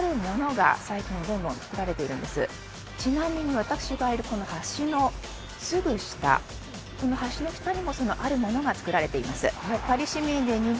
ちなみに私がいるこの橋のすぐ下この橋の下にもそのあるものがつくられています